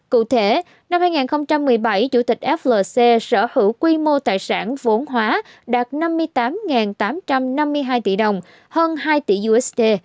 cụ thể năm hai nghìn một mươi bảy chủ tịch flc sở hữu quy mô tài sản vốn hóa đạt năm mươi tám tám trăm năm mươi hai tỷ đồng hơn hai tỷ usd